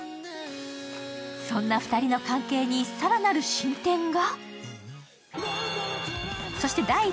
そんな２人の関係に更なる進展が。